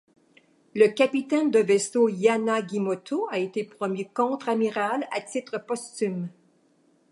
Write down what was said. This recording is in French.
Le capitaine de vaisseau Yanagimoto a été promu contre-amiral à titre posthume.